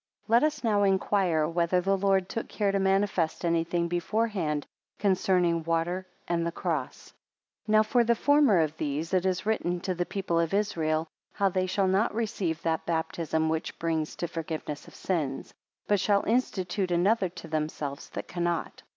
LET us now inquire whether the Lord took care to manifest anything beforehand concerning water and the cross. 2 Now for the former of these, it is written to the people of Israel how they shall not receive that baptism which brings to forgiveness of sins; but shall institute another to themselves that cannot.